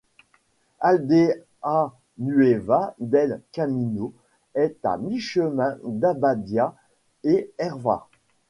Aldeanueva del Camino est à mi-chemin d'Abadía et Hervás.